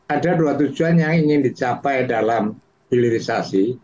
ada dua tujuan yang ingin dicapai dalam hilirisasi